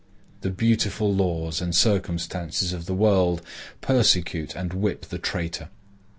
The beautiful laws and substances of the world persecute and whip the traitor.